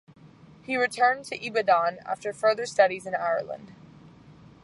He returned to Ibadan after further studies in Ireland.